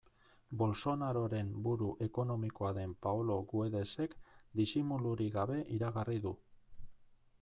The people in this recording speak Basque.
Bolsonaroren buru ekonomikoa den Paolo Guedesek disimulurik gabe iragarri du.